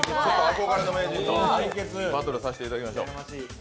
憧れの名人と、バトルさせていただきましょう。